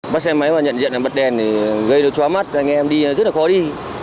bắt xe máy và nhận diện bật đèn gây được chóa mắt anh em đi rất là khó đi